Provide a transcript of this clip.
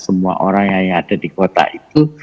semua orang yang ada di kota itu